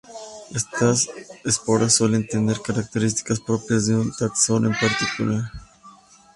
Estas esporas suelen tener características propias de un taxón en particular.